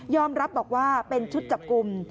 รับบอกว่าเป็นชุดจับกลุ่ม